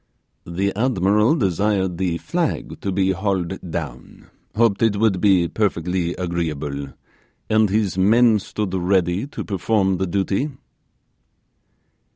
'The admiral desired the flag to be hauled down hoped it would be perfectly agreeable and his men stood ready to perform the duty.